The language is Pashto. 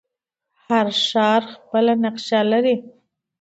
هر ښار خپله نقشه لري.